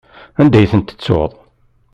Anda i ten-tettuḍ?